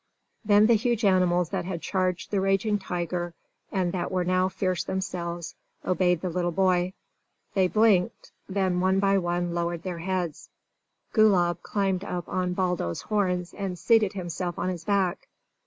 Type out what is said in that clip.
Then the huge animals that had charged the raging tiger, and that were now fierce themselves, obeyed the little boy. They blinked, then one by one lowered their heads. Gulab climbed up by Baldo's horns, and seated himself on his back.